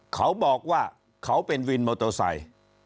เขาบอกว่าเขาเป็นวินโมโตไซด์